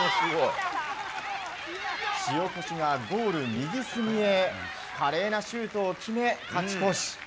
塩越がゴール右隅へ華麗なシュートを決め、勝ち越し。